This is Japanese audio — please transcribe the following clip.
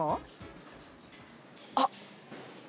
あっ！